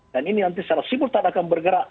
dan ini nanti secara simultan akan bergerak